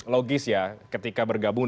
logis ya ketika bergabung